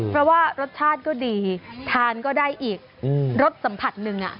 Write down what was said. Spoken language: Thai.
เพราะว่ารสชาติก็ดีทานก็ได้อีกรสสัมผัสหนึ่ง